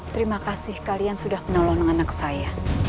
terima kasih kalian sudah menolong anak saya